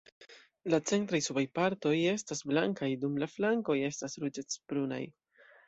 La centraj subaj partoj estas blankaj, dum la flankoj estas ruĝecbrunaj.